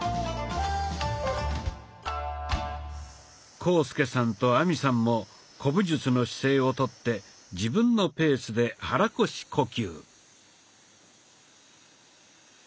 浩介さんと亜美さんも古武術の姿勢をとって自分のペースで肚腰呼吸。